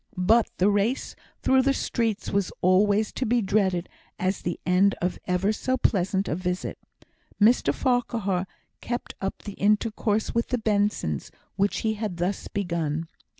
But the race through the streets was always to be dreaded as the end of ever so pleasant a visit. Mr Farquhar kept up the intercourse with the Bensons which he had thus begun.